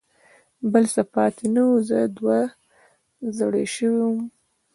بل څه پاتې نه و، زه دوه زړی شوم.